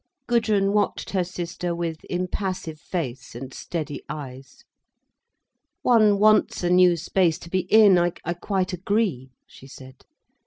Gudrun watched her sister with impassive face and steady eyes. "One wants a new space to be in, I quite agree," she said.